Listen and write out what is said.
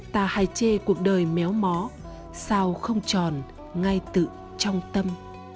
ta hài chê cuộc đời méo mó sao không tròn ngay tự trong tâm